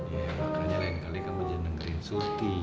ya makanya lain kali kan bisa dengerin surti